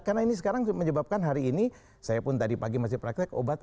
karena ini sekarang menyebabkan hari ini saya pun tadi pagi masih praktek obat